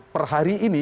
per hari ini